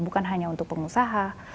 bukan hanya untuk pengusaha